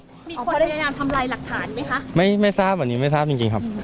มีคนพยายามทำลายหลักฐานไหมคะไม่ไม่ทราบอันนี้ไม่ทราบจริงจริงครับ